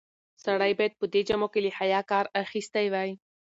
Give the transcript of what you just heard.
سړی باید په دې جامو کې له حیا کار اخیستی وای.